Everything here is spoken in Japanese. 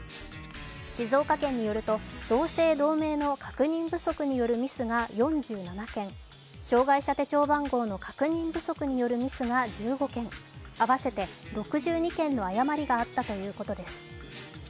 静岡県によると、同姓同名の確認不足によるミスが４７件、障害者手帳番号の確認不足によるミスが１５件、合わせて６２件の誤りがあったということです。